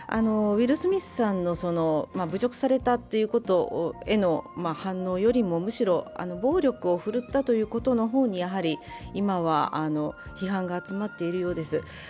ウィル・スミスさんの侮辱されたということへの反応よりも、むしろ暴力を振るったということの方に今は批判が集まっているようです。